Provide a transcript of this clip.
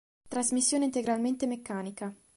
Trasmissione integralmente meccanica.